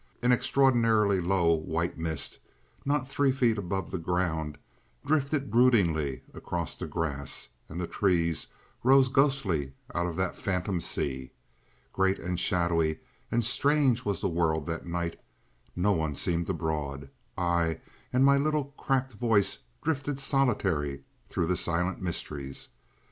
An extraordinarily low white mist, not three feet above the ground, drifted broodingly across the grass, and the trees rose ghostly out of that phantom sea. Great and shadowy and strange was the world that night, no one seemed abroad; I and my little cracked voice drifted solitary through the silent mysteries.